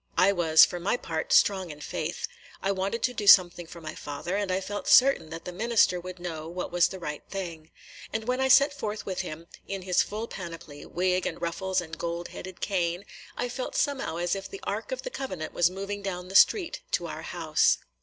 I was, for my part, strong in faith. I wanted to do something for my father, and I felt certain that the minister would know what was the right thing; and when I set forth with him, in his full panoply, – wig and ruffles and gold headed cane, – I felt somehow as if the ark of the covenant was moving down the street to our house.